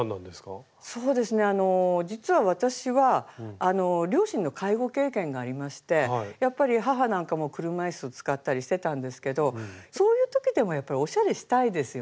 実は私は両親の介護経験がありましてやっぱり母なんかも車いす使ったりしてたんですけどそういう時でもやっぱりおしゃれしたいですよね。